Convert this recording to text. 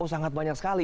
oh sangat banyak sekali